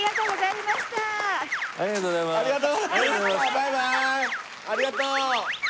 バイバーイありがとう